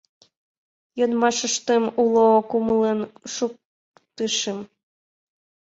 Йодмашыштым уло кумылын шуктышым.